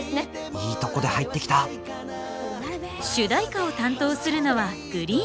いいとこで入ってきた主題歌を担当するのはＧＲｅｅｅｅＮ。